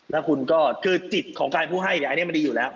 แล้วคุณก็คือจิตของกายผู้ให้อันนี้มันดีอยู่แล้ว